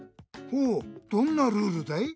ほうどんなルールだい？